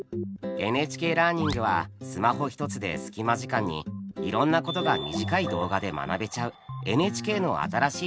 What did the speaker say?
「ＮＨＫラーニング」はスマホ一つで隙間時間にいろんなことが短い動画で学べちゃうＮＨＫの新しいサービスです。